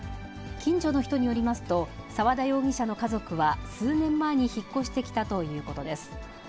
近所の人によりますと、澤田容疑者の家族は数年前に引っ越してきたということです。